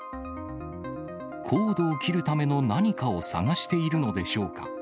コードを切るための何かを探しているのでしょうか。